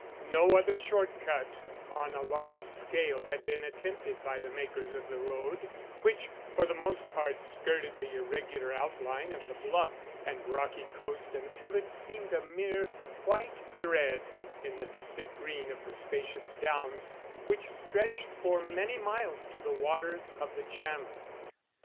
No other short cut on a large scale had been attempted by the makers of the road, which, for the most part, skirted the irregular outline of the bluff and rocky coast until it seemed a mere white thread in the distant green of the spacious downs which stretched for many miles to the waters of the Channel.